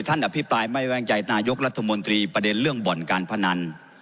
อภิปรายไม่แว้งใจนายกรัฐมนตรีประเด็นเรื่องบ่อนการพนัน